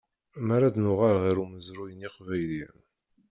Mi ara d-nuɣal ɣer umezruy n yiqbayliyen.